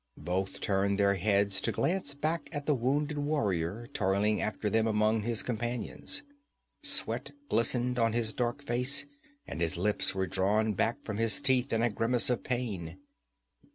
Both turned their heads to glance back at the wounded warrior toiling after them among his companions. Sweat glistened on his dark face and his lips were drawn back from his teeth in a grimace of pain.